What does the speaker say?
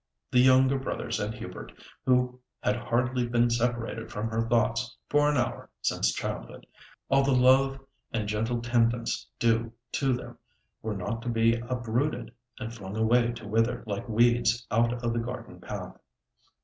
The younger brothers and Hubert, who had hardly been separated from her thoughts for an hour since childhood—all the love and gentle tendence due to them were not to be uprooted and flung away to wither like weeds out of the garden path.